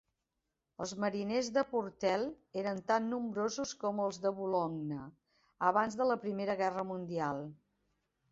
Els mariners de Portel eren tan nombrosos com els de Boulogne abans de la Primera Guerra Mundial.